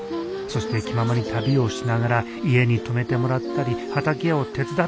そして気ままに旅をしながら家に泊めてもらったり畑を手伝ったりしよう。